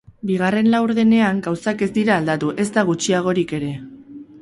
Bigarren laurdenean gauzak ez dira aldatu, ezta gutxiagorik ere.